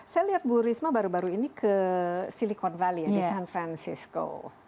saya lihat bu risma baru baru ini ke silicon valley ya di san francisco